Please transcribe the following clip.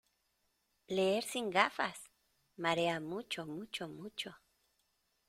¡ leer sin gafas! ¡ marea mucho mucho mucho !